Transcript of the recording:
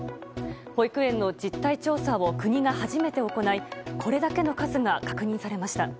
保育園の実態調査を国が初めて行いこれだけの数が確認されました。